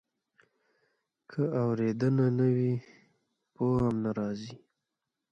که اورېدنه نه وي، پوهه هم نه راځي.